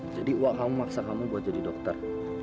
jadi uak kamu maksa kamu buat jadi dokter